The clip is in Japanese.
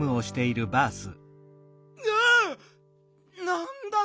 なんだ？